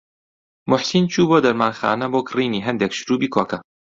موحسین چوو بۆ دەرمانخانە بۆ کڕینی هەندێک شرووبی کۆکە.